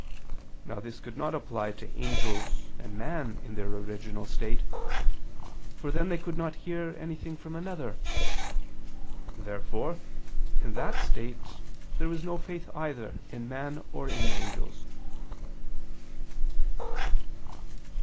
Now this could not apply to angels and man in their original state; for then they could not hear anything from another. Therefore, in that state, there was no faith either in man or in the angels.